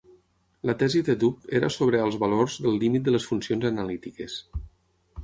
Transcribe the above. La tesi de Doob era sobre als valors del límit de les funcions analítiques.